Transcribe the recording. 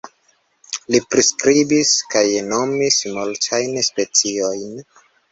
Li priskribis kaj nomis multajn speciojn.